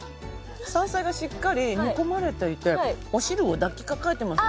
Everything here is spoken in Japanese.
山菜がしっかり煮込まれていてお汁を抱きかかえていますね。